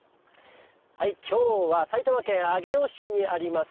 きょうは埼玉県上尾市にあります